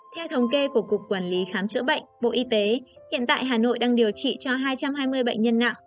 theo thống kê của cục quản lý khám chữa bệnh bộ y tế hiện tại hà nội đang điều trị cho hai trăm hai mươi bệnh nhân nặng